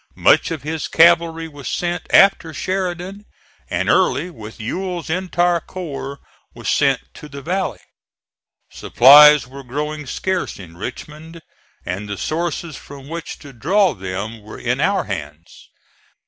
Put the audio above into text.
Much of his cavalry was sent after Sheridan, and Early with Ewell's entire corps was sent to the Valley. Supplies were growing scarce in Richmond, and the sources from which to draw them were in our hands.